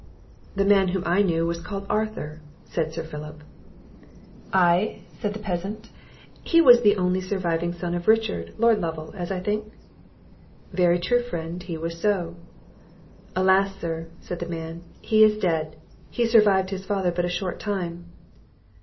"The man whom I knew was called Arthur," said Sir Philip. "Ay," said the Peasant, "he was the only surviving son of Richard, Lord Lovel, as I think?" "Very true, friend, he was so." "Alas, sir," said the man, "he is dead! he survived his father but a short time."